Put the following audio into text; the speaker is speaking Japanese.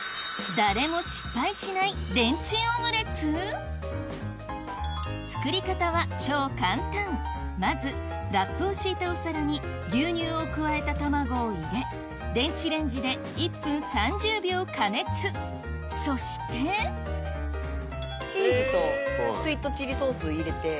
誰も作り方は超簡単まずラップを敷いたお皿に牛乳を加えた卵を入れ電子レンジで１分３０秒加熱そしてチーズとスイートチリソース入れて。